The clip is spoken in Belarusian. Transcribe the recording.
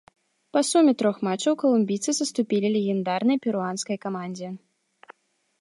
Па суме трох матчаў калумбійцы саступілі легендарнай перуанскай камандзе.